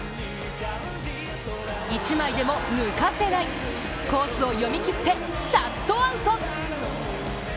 １枚でも抜かせない、コースを読み切ってシャットアウト。